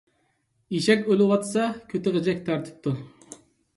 ئېشەك ئۆلۈۋاتسا كۆتى غىجەك تارتىپتۇ.